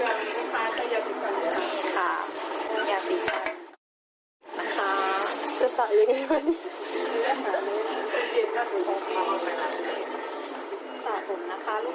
โรงการผมสะเทือนลูกค้าจะอย่าสีฟ้า